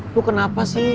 lu kenapa sih